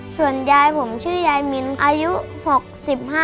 ส่วนยายผมชื่อยายมินอายุ๖๕